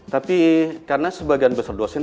tapi karena sebagian besar dosen